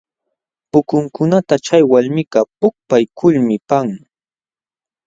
Pukunkunata chay walmikaq pukpaykulmi paqan.